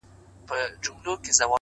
اې ښكلي پاچا سومه چي ستا سومه،